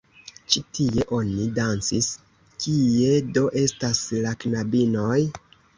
Ĉi tie oni dancis, kie do estas la knabinoj?